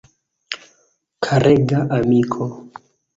Karega amiko!